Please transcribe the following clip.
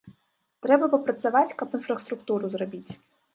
Трэба папрацаваць, каб інфраструктуру зрабіць.